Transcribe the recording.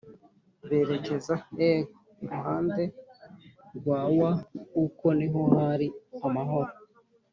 berekeza iruhande rwa wa kuko nino hari amahoro